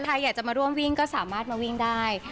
ใครอยากจะมาร่วมวิ่งก็สามารถมาวิ่งได้